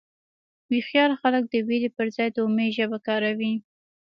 هوښیار خلک د وېرې پر ځای د امید ژبه کاروي.